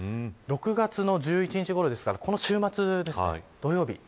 ６月１１日ごろですからこの週末ですね、土曜日。